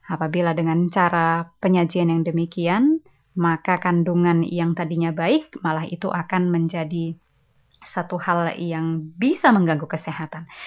apabila dengan cara penyajian yang demikian maka kandungan yang tadinya baik malah itu akan menjadi satu hal yang bisa mengganggu kesehatan